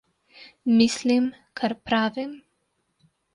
Mislim, kar pravim.